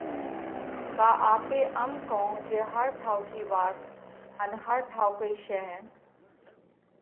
ڪا آپي ام ڪون جي ھر ٺائُوڪِي وات ان ھر ٺائُوڪئي شينھ